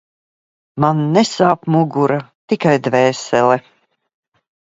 Man nesāp mugura, tikai dvēsele…